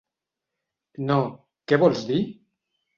No, què vols dir?